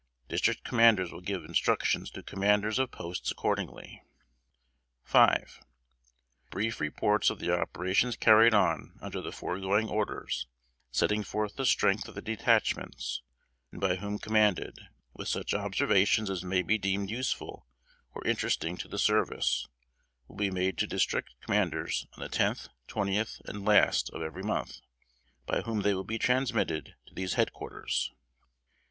District commanders will give instructions to commanders of posts accordingly. "V. Brief reports of the operations carried on under the foregoing orders, setting forth the strength of the detachments, and by whom commanded, with such observations as may be deemed useful or interesting to the service, will be made to district commanders on the 10th, 20th, and last of every month, by whom they will be transmitted to these head quarters.